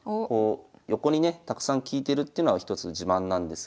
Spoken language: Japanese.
横にねたくさん利いてるっていうのは一つの自慢なんですが。